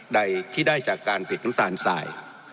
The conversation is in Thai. ใดที่ได้จากการผลิตน้ำตาลสาย